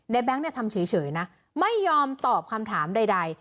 แบงค์เนี่ยทำเฉยนะไม่ยอมตอบคำถามใด